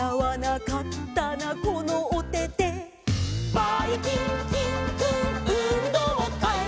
「ばいきんきんくんうんどうかい」